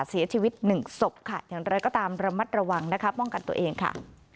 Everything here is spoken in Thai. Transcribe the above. เสียชีวิตหนึ่งศพค่ะอย่างไรก็ตามระมัดระวังนะคะป้องกันตัวเองค่ะ